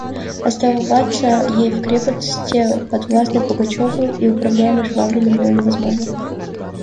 Оставаться ей в крепости, подвластной Пугачеву и управляемой Швабриным, было невозможно.